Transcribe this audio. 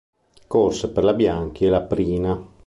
Corse per la Bianchi e la Prina.